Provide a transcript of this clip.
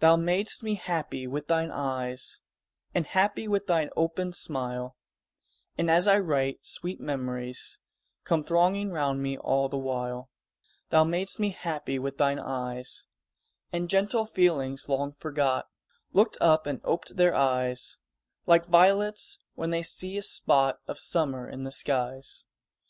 Thou mad'st me happy with thine eyes, And happy with thine open smile, And, as I write, sweet memories Come thronging round me all the while; Thou mad'st me happy with thine eyes And gentle feelings long forgot Looked up and oped their eyes, Like violets when they see a spot Of summer in the skies.